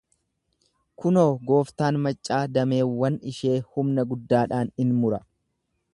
Kunoo gooftaan maccaa dameewwan ishee humna guddaadhaan in mura.